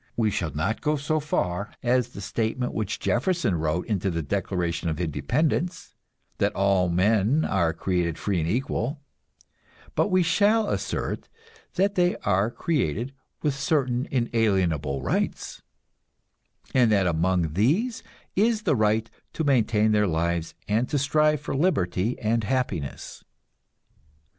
We shall not go so far as the statement which Jefferson wrote into the Declaration of Independence, that "all men are created free and equal"; but we shall assert that they are created "with certain inalienable rights," and that among these is the right to maintain their lives and to strive for liberty and happiness.